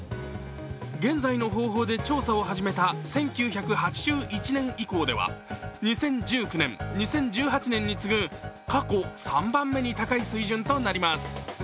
現在の方法で調査を始めた１９８１年以降では２０１９年、２０１８年に次ぐ過去３番目に高い水準となります。